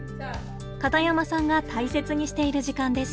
片山さんが大切にしている時間です。